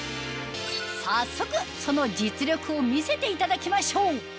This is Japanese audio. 早速その実力を見せていただきましょう